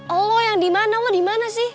oh yang dimana lo dimana sih